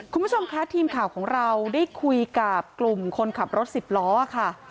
คุณผู้ชมคะทีมข่าวของเราได้คุยกับกลุ่มคนขับรถสิบล้อค่ะ